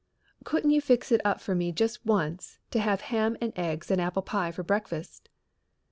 "Couldn't you fix it up for me just once to have ham and eggs and apple pie for breakfast?"